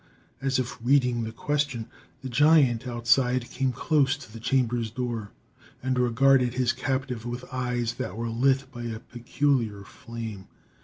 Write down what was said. As if reading the question, the giant outside came close to the chamber's door and regarded his captive with eyes that were lit by a peculiar flame.